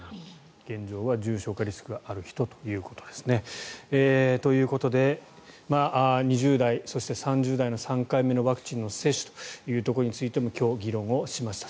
現状は重症化リスクがある人ということですね。ということで２０代、そして３０代の３回目のワクチン接種ということについて今日、議論をしました。